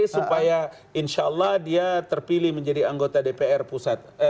supaya insya allah dia terpilih menjadi anggota dpr pusat